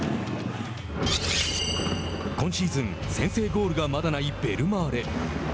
今シーズン先制ゴールがまだないベルマーレ。